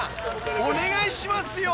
お願いしますよ］